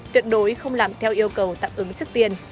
tuyệt đối không làm theo yêu cầu tạm ứng chức tiền